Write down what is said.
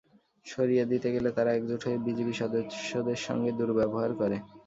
সরিয়ে দিতে গেলে তারা একজোট হয়ে বিজিবি সদস্যদের সঙ্গে দুর্ব্যবহার করে।